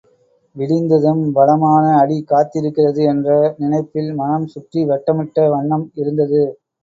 விடிந்ததும் பலமான அடி காத்திருக்கிறது என்ற நினைப்பில் மனம் சுற்றி வட்டமிட்ட வண்ணம் இருந்தது.